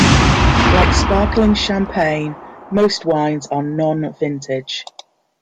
Like sparkling Champagne, most wines are non-vintage.